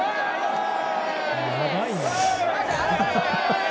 やばいな。